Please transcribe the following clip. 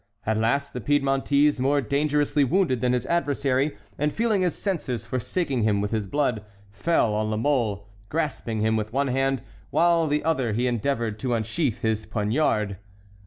At last the Piedmontese, more dangerously wounded than his adversary, and feeling his senses forsaking him with his blood, fell on La Mole, grasping him with one hand, while with the other he endeavored to unsheath his poniard.